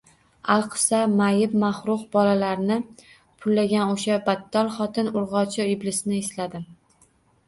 Alqissa, mayib-mahruh bolalarini pullagan o`sha battol xotin, urg`ochi iblisni esladim